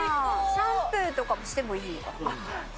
シャンプーとかしてもいいかも。